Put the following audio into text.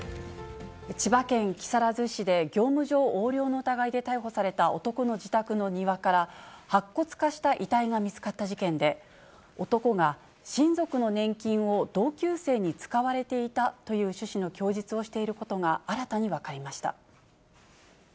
千葉県木更津市で業務上横領の疑いで逮捕された男の自宅の庭から、白骨化した遺体が見つかった事件で、男が親族の年金を同級生に使われていたという趣旨の供述をしていることが新たに分かりました。